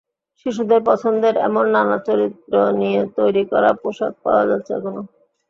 শিশুদের পছন্দের এমন নানা চরিত্র নিয়ে তৈরি করা পোশাক পাওয়া যাচ্ছে এখানে।